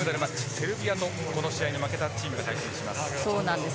セルビアとこの試合に負けたチームが対決します。